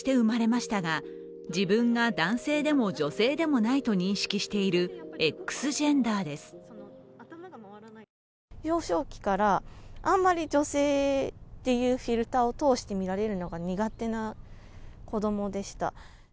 水野優望さん、水野さんは戸籍上は女性として生まれましたが自分が男性でも女性でもないと認識しているＸジェンダーです。